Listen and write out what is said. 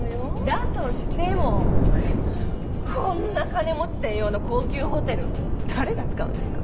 だとしてもこんな金持ち専用の高級ホテル誰が使うんですか？